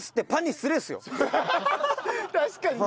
確かにね